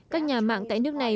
các nhà mạng tại nước này